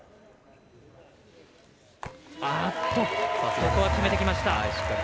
ここは決めてきました。